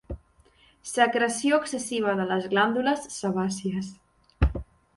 Secreció excessiva de les glàndules sebàcies.